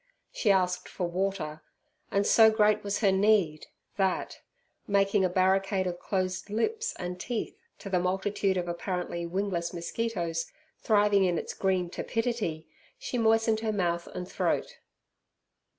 She asked for water, and so great was her need, that, making a barricade of closed lips and teeth to the multitude of apparently wingless mosquitoes thriving in its green tepidity, she moistened her mouth and throat.